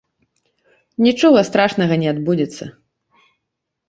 Нічога страшнага не адбудзецца.